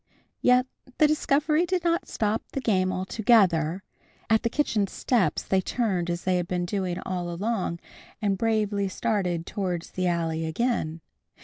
Yet the discovery did not stop the game altogether. At the kitchen steps they turned as they had been doing all along and bravely started towards the alley again.